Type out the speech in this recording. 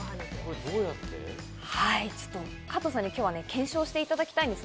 加藤さんに今日は検証していただきたいんです。